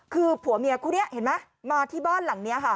คือผัวเมียของคู่นี้เห็นมั้ยมาที่บ้านหลังเนี่ยค่ะ